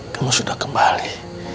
kamu sudah kembali